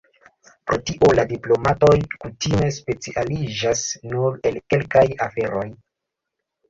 Pro tio, la diplomatoj kutime specialiĝas nur en kelkaj aferoj.